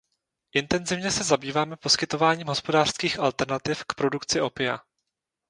Intenzivně se zabýváme poskytováním hospodářských alternativ k produkci opia.